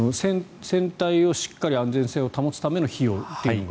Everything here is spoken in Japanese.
船体をしっかり安全性を保つための費用というものが。